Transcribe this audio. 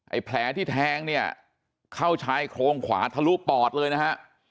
แผลที่แทงเนี่ยเข้าชายโครงขวาทะลุปอดเลยนะฮะ